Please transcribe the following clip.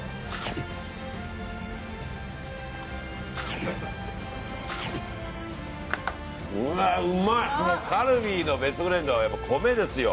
これうまいカルビのベストフレンドはやっぱ米ですよ